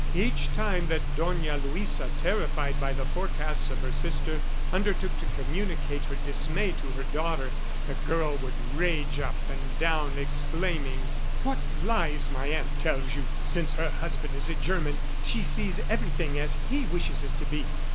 Each time that Dona Luisa, terrified by the forecasts of her sister, undertook to communicate her dismay to her daughter, the girl would rage up and down, exclaiming: "What lies my aunt tells you! ... Since her husband is a German, she sees everything as he wishes it to be.